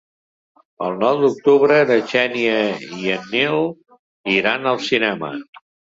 El nou d'octubre na Xènia i en Nil iran al cinema.